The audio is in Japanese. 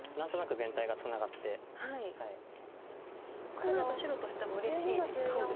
こうなると白としてもうれしいですか。